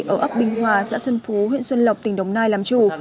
ở ấp bình hòa xã xuân phú huyện xuân lộc tỉnh đồng nai làm chủ